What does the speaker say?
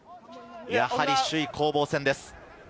やはり首位攻防戦です。